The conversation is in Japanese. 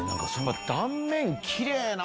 断面きれいな！